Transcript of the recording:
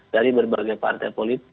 dari berbagai partai